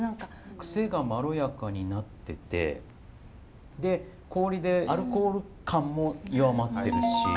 クセがまろやかになっててで氷でアルコール感も弱まってるし。